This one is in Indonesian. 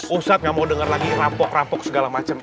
ustadz gak mau denger lagi rampok rampok segala macam